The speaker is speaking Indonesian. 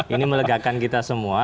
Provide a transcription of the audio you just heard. ini melegakan kita semua